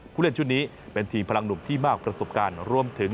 ผู้เล่นชุดนี้เป็นทีมพลังหนุ่มที่มากประสบการณ์รวมถึง